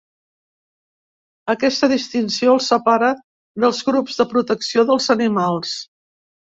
Aquesta distinció els separa dels grups de protecció dels animals.